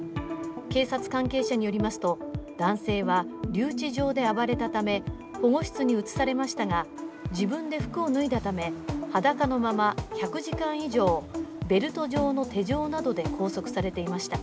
警察関係者によりますと男性は留置場で暴れたため保護室に移されましたが、自分で服を脱いだため裸のまま１００時間以上、ベルト状の手錠などで拘束されていました。